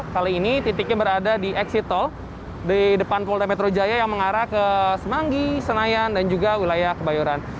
kali ini titiknya berada di exit tol di depan polda metro jaya yang mengarah ke semanggi senayan dan juga wilayah kebayoran